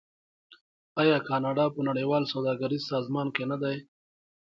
آیا کاناډا په نړیوال سوداګریز سازمان کې نه دی؟